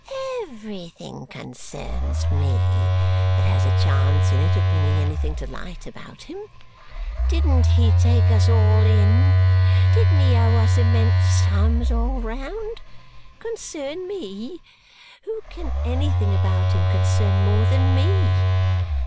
"Everything concerns me that has a chance in it of bringing anything to light about him. Didn't he take us all in? Didn't he owe us immense sums, all round? Concern me? Who can anything about him concern more than me?